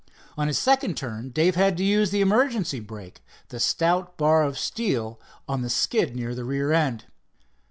On his second turn Dave had to use the emergency brake, the stout bar of steel on the skid near the rear end.